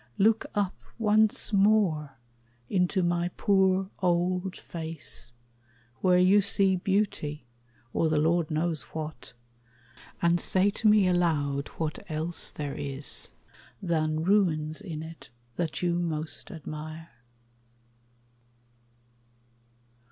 Look up once more into my poor old face, Where you see beauty, or the Lord knows what, And say to me aloud what else there is Than ruins in it that you most admire.